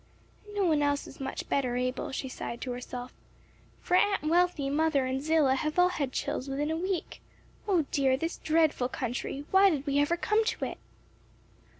"And no one else is much better able," she sighed to herself, "for Aunt Wealthy, mother and Zillah have all had chills within a week. Oh dear, this dreadful country! why did we ever come to it!"